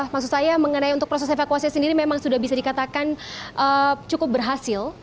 maksud saya mengenai untuk proses evakuasi sendiri memang sudah bisa dikatakan cukup berhasil